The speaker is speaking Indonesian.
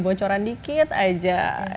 bocoran dikit aja